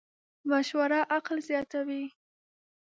مشوره عقل زیاتوې.